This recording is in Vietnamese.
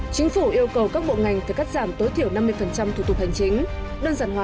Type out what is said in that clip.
chính phủ yêu cầu các bộ ngành phải cắt giảm tối thiểu năm mươi thủ tục hành chính